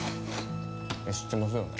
知ってますよね？